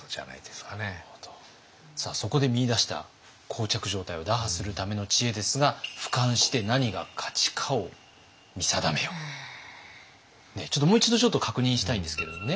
そこで見いだした膠着状態を打破するための知恵ですがもう一度ちょっと確認したいんですけれどもね